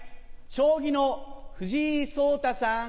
将棋の藤井聡太さん